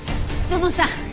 土門さん！